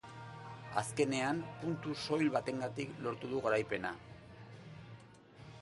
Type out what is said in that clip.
Azkenean, puntu soil batengatik lortu du garaipena.